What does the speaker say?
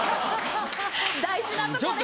大事なとこで。